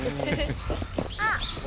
「あっ！